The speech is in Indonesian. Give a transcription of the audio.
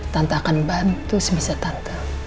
tante akan bantu semisal tante